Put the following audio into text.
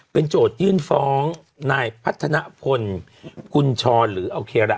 เป็นโจทย์ยื่นฟ้องนายพัฒนภลคุณชรหรือเอาเคลละ